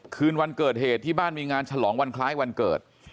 คืนวันเกิดเหตุที่บ้านมีงานฉลองวันคล้ายวันเกิด